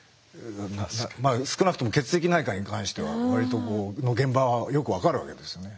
少なくとも血液内科に関しては割とこの現場はよく分かるわけですね。